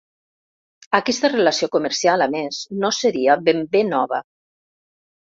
Aquesta relació comercial, a més, no seria ben bé nova.